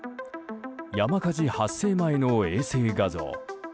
山火事発生前の衛星画像。